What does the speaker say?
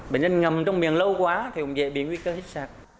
bệnh nhân ngầm trong miền lâu quá thì cũng dễ bị nguy cơ hít sạc